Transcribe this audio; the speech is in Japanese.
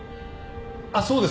あっそうです。